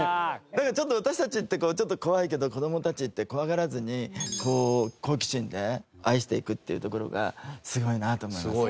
なんかちょっと私たちって怖いけど子どもたちって怖がらずに好奇心で愛していくっていうところがすごいなと思います。